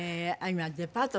今デパート